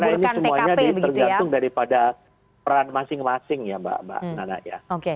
saya kira ini semuanya tergantung daripada peran masing masing ya mbak nana